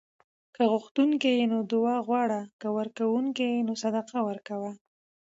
که غوښتونکی یې نو دعا غواړه؛ که ورکونکی یې نو صدقه ورکوه